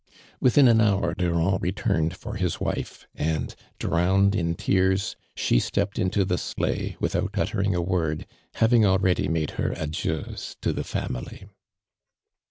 Within an hour Durand returned for liis wife, and ilrowned in tears, she stepped into tlio sleigh, without uttering a word, having already made her ailieux to the fa mily.